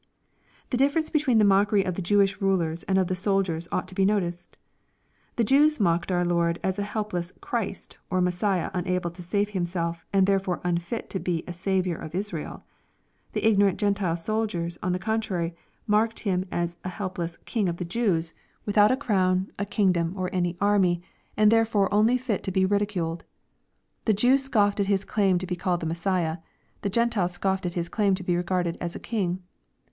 ] The difference betv^eeu tfce mockery of the Jewish rulers and of the soldiers jought to be noticed. The Jews mocked our Lord as a helpless f.VChrist^'' QF Afessiah unable to save Himself, and therefore unfit to be a Saviour of Israel.— 'The ignorant Q entile soldiers, on the conti'ary, mocked Him as sl helpless King of the Jews," withoui LUKE, CHAP. XXIII. 469 a crown, a kingdom, or an army, and therefore only fit to be ridi culed.— The Jew scoffed at His claim to be called the Messiah. The Gentile scoffed at His claim to be regarded as a king.